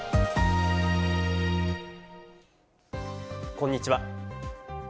こんにちは。